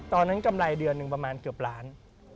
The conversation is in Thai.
กำไรเดือนหนึ่งประมาณเกือบล้าน